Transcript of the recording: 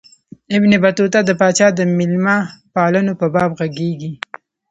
ابن بطوطه د پاچا د مېلمه پالنو په باب ږغیږي.